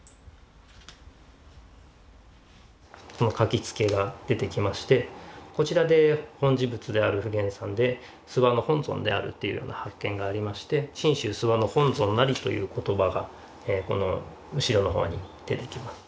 書付が出てきましてこちらで本地仏である普賢さんで諏訪の本尊であるっていうような発見がありまして「信州諏訪の本尊なり」という言葉がこの後ろの方に出てきます。